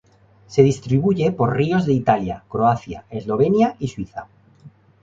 Se distribuye por ríos de Italia, Croacia, Eslovenia y Suiza.